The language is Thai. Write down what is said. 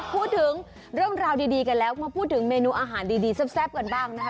พูดถึงเรื่องราวดีกันแล้วมาพูดถึงเมนูอาหารดีแซ่บกันบ้างนะคะ